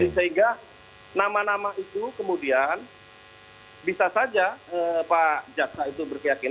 jadi sehingga nama nama itu kemudian bisa saja pak jaksa itu berkeyakinan